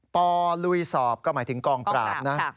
ปลุยสอบก็หมายถึงกองปราบนะ